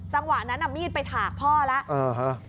จังหวะนั้นมีดไปถากพ่อแล้ว